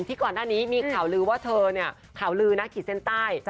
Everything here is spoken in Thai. ก่อนหน้านี้มีข่าวลือว่าเธอเนี่ยข่าวลือนะขีดเส้นใต้